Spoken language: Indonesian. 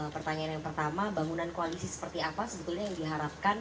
pertanyaan yang pertama bangunan koalisi seperti apa sebetulnya yang diharapkan